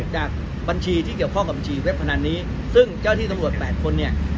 จากบัญชีที่เกี่ยวข้องกับฉีเว็บพนันนี้ซึ่งเจ้าที่ตำรวจ๘คนเนี่ย